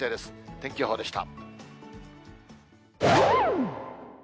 天気予報でした。